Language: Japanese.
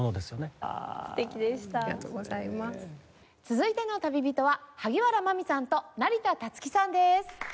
続いての旅人は萩原麻未さんと成田達輝さんです。